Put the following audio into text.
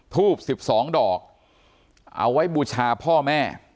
ทูบ๑๒ดอกเอาไว้บูชาพ่อแม่